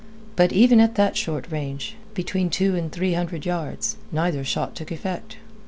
But even at that short range between two and three hundred yards neither shot took effect.